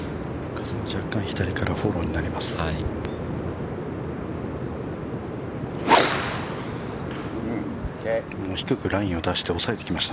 ◆風も若干、左からフォローになります。